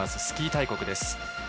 スキー大国です。